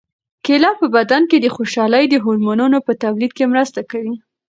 کیله په بدن کې د خوشالۍ د هورمونونو په تولید کې مرسته کوي.